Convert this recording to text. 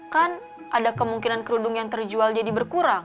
kan ada kemungkinan kerudung yang terjual jadi berkurang